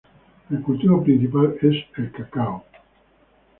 El cultivo principal es el cacao.